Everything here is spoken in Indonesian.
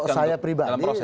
kalau saya pribadi